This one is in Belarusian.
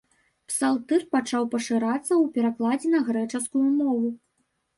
Псалтыр пачаў пашырацца ў перакладзе на грэчаскую мову.